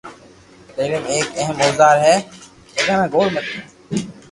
تعليم هڪ اهم اوزار آهي